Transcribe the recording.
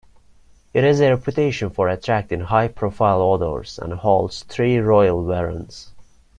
It has a reputation for attracting high-profile authors and holds three Royal Warrants.